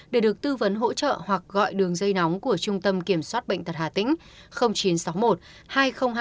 để được tư vấn hỗ trợ hoặc gọi đường dây nóng của trung tâm kiểm soát bệnh tật hà tĩnh